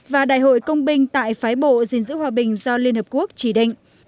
và đại hội công binh tại phái bộ gìn giữ hòa bình do liên hợp quốc chỉ định